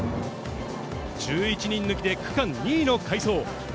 １１人抜きで区間２位の快走。